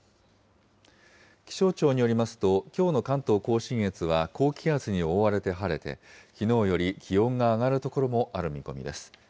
気象庁によりますと、きょうの関東甲信越は高気圧に覆われて晴れて、きのうより気温が上がる所もある見込みです。